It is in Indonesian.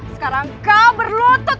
sekarang kau berlotot